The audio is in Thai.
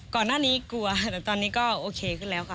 ก่อนหน้านี้กลัวแต่ตอนนี้ก็โอเคขึ้นแล้วค่ะ